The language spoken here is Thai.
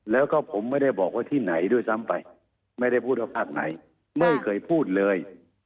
แล้วก็ผมไม่ได้บอกว่าที่ไหนด้วยซ้ำไปไม่ได้พูดว่าภาคไหนไม่เคยพูดเลย